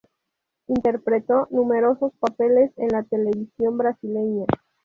Interpretó numerosos papeles en la televisión brasileña.